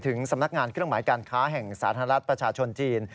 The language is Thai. สำนักงานเครื่องหมายการค้าแห่งสาธารณะประชาชนจีน